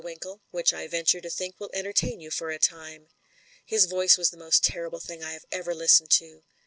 Winkle, which I venture to think will entertain you for a time." His voice was the most terrible thing I have ever listened to.